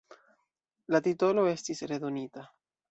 La titolo estis redonita.